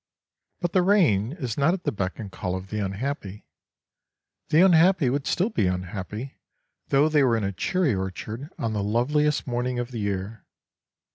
But the rain is not at the beck and call of the unhappy. The unhappy would still be unhappy though they were in a cherry orchard on the loveliest morning of the year.